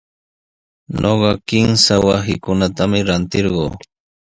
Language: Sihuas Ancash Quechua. Ñuqa kimsa wasikunatami rantirquu.